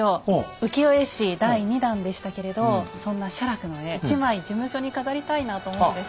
浮世絵師第２弾でしたけれどそんな写楽の絵１枚事務所に飾りたいなと思うんです。